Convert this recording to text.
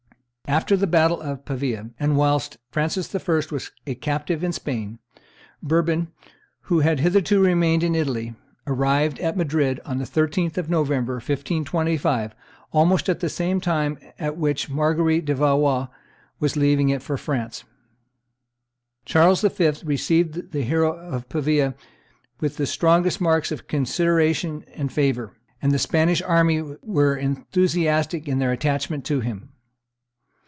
After the battle of Pavia and whilst Francis I. was a captive in Spain, Bourbon, who had hitherto remained in Italy, arrived at Madrid on the 13th of November, 1525, almost at the same time at which Marguerite de Valois was leaving it for France. Charles V. received the hero of Pavia with the strongest marks of consideration and favor; and the Spanish army were enthusiastic in their attachment to him.